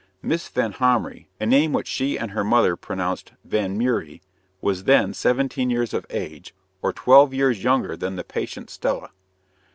Miss Vanhomrigh a name which she and her mother pronounced "Vanmeury" was then seventeen years of age, or twelve years younger than the patient Stella.